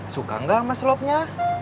suka gak sama slobnya